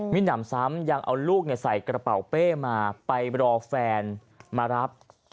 มีหนำซ้ำยังเอาลูกใส่กระเป๋าเป้มาไปรอแฟนมารับ